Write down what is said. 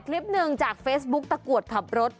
คลิปหนึ่งจากเฟซบุ๊กตะกรวดขับรถ